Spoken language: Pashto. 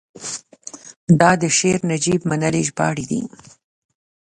دا شعر نجیب منلي ژباړلی دی: